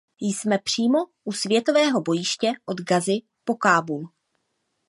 Jsme přímo u světového bojiště, od Gazy po Kábul.